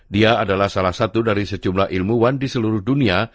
dia adalah salah satu dari sejumlah ilmuwan di seluruh dunia